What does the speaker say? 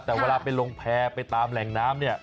แต่เวลาไปลงแพร่ไปตามแหล่งน้ำเนี่ย